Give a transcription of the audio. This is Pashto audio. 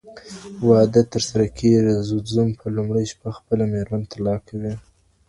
واده ترسره کيږي، زوم په لومړۍ شپه خپله ميرمن طلاقوي.